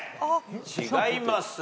違います。